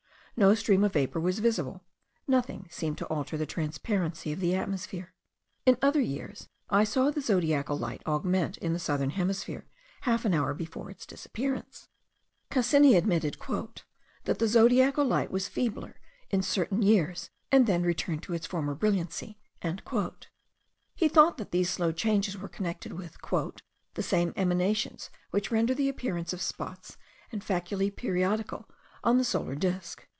No stream of vapour was visible: nothing seemed to alter the transparency of the atmosphere. In other years I saw the zodiacal light augment in the southern hemisphere half an hour before its disappearance. Cassini admitted "that the zodiacal light was feebler in certain years, and then returned to its former brilliancy." He thought that these slow changes were connected with "the same emanations which render the appearance of spots and faculae periodical on the solar disk."